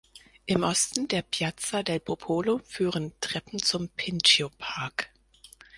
Im Osten der Piazza del Popolo führen Treppen zum Pincio-Park.